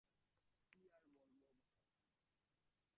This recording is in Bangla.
কী আর বলব ভাই!